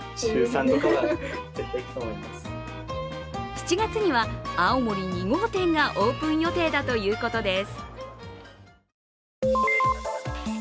７月には青森２号店がオープン予定だということです。